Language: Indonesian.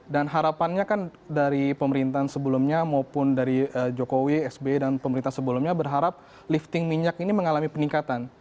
dan harapannya kan dari pemerintahan sebelumnya maupun dari jokowi sbi dan pemerintahan sebelumnya berharap lifting minyak ini mengalami peningkatan